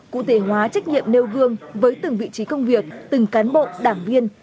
cụ thể hóa trách nhiệm nêu gương với từng vị trí công việc từng cán bộ đảng viên